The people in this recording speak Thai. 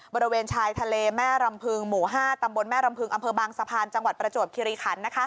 บริเวณชายทะเลแม่รำพึงหมู่๕ตำบลแม่รำพึงอำเภอบางสะพานจังหวัดประจวบคิริขัน